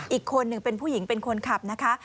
อีกคนหนึ่งเป็นผู้หญิงเป็นคนขับนะคะ